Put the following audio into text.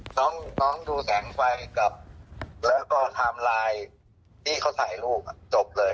น้องดูแสงไฟกับแล้วก็ไทม์ไลน์ที่เขาถ่ายรูปจบเลย